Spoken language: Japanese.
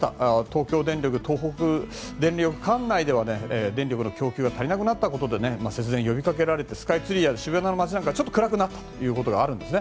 東京電力、東北電力管内では電力の供給が足りなくなったことで節電が呼びかけられてスカイツリーや渋谷の街なんかも暗くなったことがあったんです。